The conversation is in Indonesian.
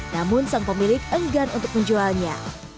namun sang pemilik enggan untuk menjualnya